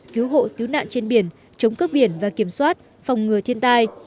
cứu hộ cứu nạn trên biển chống cướp biển và kiểm soát phòng ngừa thiên tai